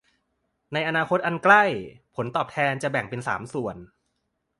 ในอนาคตอันใกล้ ผลตอบแทนจะแบ่งเป็นสามส่วน